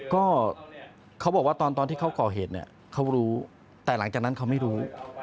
ก็เขาบอกว่าตอนที่เขาก่อเหตุเนี่ยเขารู้แต่หลังจากนั้นเขาไม่รู้